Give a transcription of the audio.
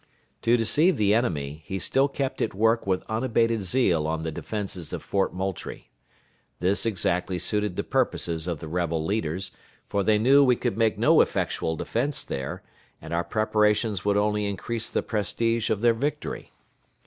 To deceive the enemy, he still kept at work with unabated zeal on the defenses of Fort Moultrie. This exactly suited the purposes of the rebel leaders, for they knew we could make no effectual defense there, and our preparations would only increase the prestige of their victory.